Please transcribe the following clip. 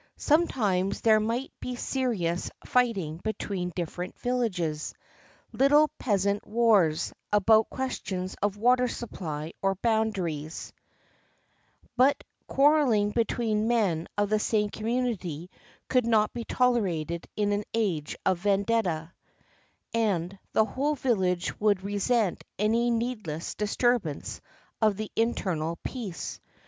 Sometimes there might be serious fighting between different villages, — little peasant wars about questions of water supply or boundaries ; but quar reling between men of the same community could not be tolerated in an age of vendetta, and the whole village would resent any needless disturbance of the internal peace.